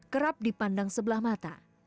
kerap dipandang sebelah mata